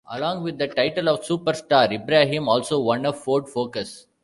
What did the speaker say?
Along with the title of Super Star, Ibrahim also won a Ford Focus.